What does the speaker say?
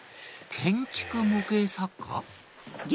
建築模型作家？